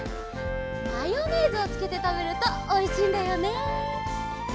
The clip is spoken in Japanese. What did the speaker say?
マヨネーズをつけてたべるとおいしいんだよね。